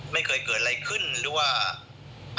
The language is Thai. ไม่เคยเกิดอะไรขึ้นหรือว่า